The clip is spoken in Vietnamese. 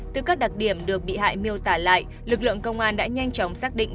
từ các đặc điểm được bị hại miêu tả lại lực lượng công an đã nhanh chóng xác định